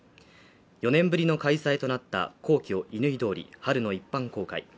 ４年ぶりの開催となった皇居・乾通り、春の一般公開。